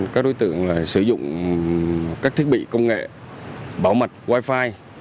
các đối tượng sử dụng các thiết bị công nghệ bảo mật wifi